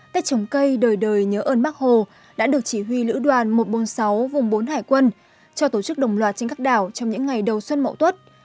tết trồng cây đời đời nhớ ơn bác hồ đã được chỉ huy lữ đoàn một trăm bốn mươi sáu vùng bốn hải quân cho tổ chức đồng loạt trên các đảo trong những ngày đầu xuân mậu tuất